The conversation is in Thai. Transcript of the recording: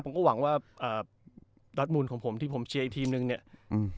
ผมก็หวังว่าอ่าดอสมูลของผมที่ผมเชียร์อีกทีมนึงเนี้ยอืม